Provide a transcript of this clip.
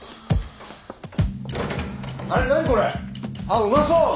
あっうまそう。